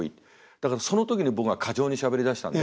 だからその時に僕が過剰にしゃべりだしたんで。